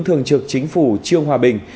thường trực chính phủ trương hòa bình